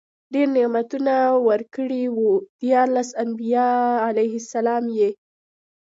ډير نعمتونه ورکړي وو، ديارلس انبياء عليهم السلام ئي